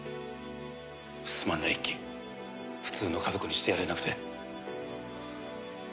すまんな一輝普通の家族にしてやれなくて。